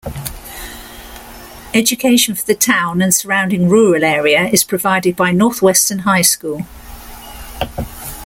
Education for the town and surrounding rural area is provided by Northwestern High School.